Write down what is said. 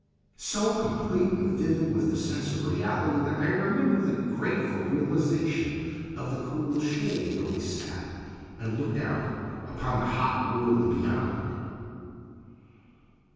So complete and vivid was the sense of reality, that I remember the grateful realisation of the cool shade where we sat and looked out upon the hot world beyond.